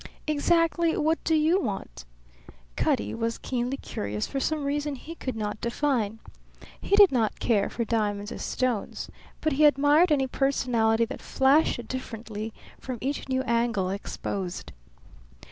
"Exactly what do you want?" Cutty was keenly curious, for some reason he could not define. He did not care for diamonds as stones; but he admired any personality that flashed differently from each new angle exposed.